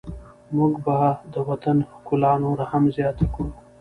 موږ به د وطن ښکلا نوره هم زیاته کړو.